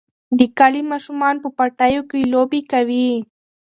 د کلي ماشومان په پټیو کې لوبې کوي.